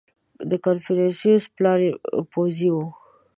• د کنفوسیوس پلار پوځي و.